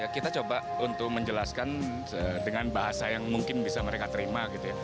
kita coba untuk menjelaskan dengan bahasa yang mungkin bisa mereka terima gitu ya